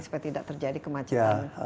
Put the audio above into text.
supaya tidak terjadi kemacetan